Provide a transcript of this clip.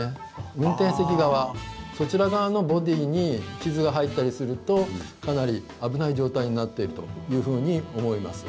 運転席側、こちら側のボディーに傷が入ったりするとかなり危ない状態になっているというふうに思います。